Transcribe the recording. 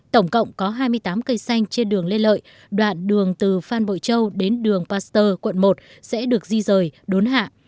tổng cộng có hai mươi tám cây xanh trên đường lê lợi đoạn đường từ phan bội châu đến đường pasteur quận một sẽ được di rời đốn hạ